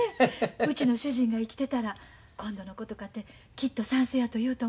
うちの主人が生きてたら今度のことかてきっと賛成やと言うと思います。